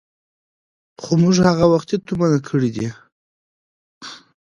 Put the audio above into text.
خو موږ هغه وختي تومنه کړي دي.